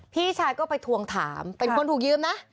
พี่ชายก็ไปทวงถามเป็นคนถูกยืมนะ